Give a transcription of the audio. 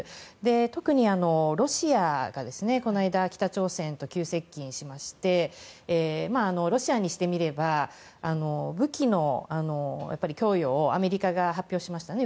特に、ロシアがこの間、北朝鮮と急接近しましてロシアにしてみれば武器の供与をアメリカが発表しましたね